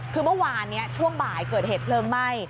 คือเมื่อวานนี้ช่วงบ่ายเกิดเหตุเพลิงไหม้